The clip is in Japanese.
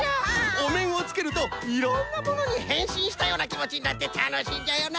おめんをつけるといろんなものにへんしんしたようなきもちになってたのしいんじゃよな。